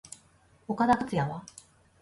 岡田克也は？